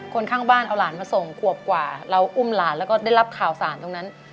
ข้างบ้านเอาหลานมาส่งขวบกว่าเราอุ้มหลานแล้วก็ได้รับข่าวสารตรงนั้น